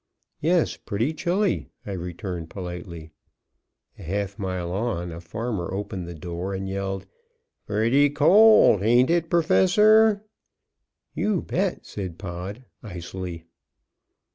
"Yes, pretty chilly," I returned, politely. A half mile on a farmer opened the door and yelled: "Pretty cold, hain't it, Professor?" "You bet," said Pod, icily.